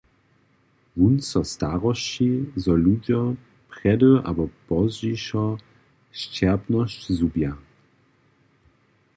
Wón so starosći, zo ludźo prjedy abo pozdźišo sćerpnosć zhubja.